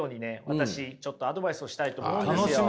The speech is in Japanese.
私ちょっとアドバイスをしたいと思うんですよ。